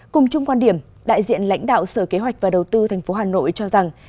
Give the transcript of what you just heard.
cùng chung quan điểm đại diện lãnh đạo sở kế hoạch và đầu tư tp hcm cho rằng